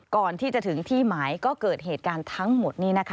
ก่อนที่จะถึงที่หมายก็เกิดเหตุการณ์ทั้งหมดนี้นะคะ